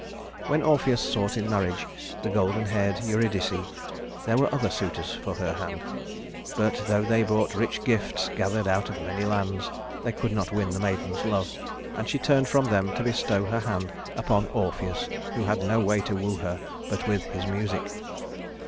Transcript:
When Orpheus sought in marriage the golden haired Eurydice, there were other suitors for her hand, but though they brought rich gifts, gathered out of many lands, they could not win the maiden's love, and she turned from them to bestow her hand upon Orpheus who had no way to woo her but with his music.